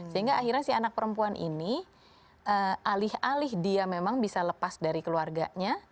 sehingga akhirnya si anak perempuan ini alih alih dia memang bisa lepas dari keluarganya